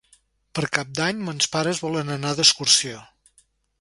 Per Cap d'Any mons pares volen anar d'excursió.